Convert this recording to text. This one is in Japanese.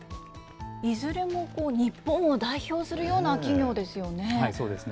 いずれも日本を代表するような企業ですよね。